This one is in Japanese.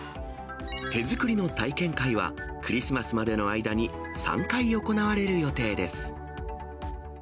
手作りの体験会は、クリスマスまでの間に３回行われる予定です。